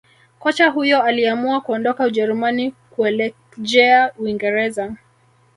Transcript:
Kocha huyo aliamua kuondoka Ujerumani kuelekjea uingereza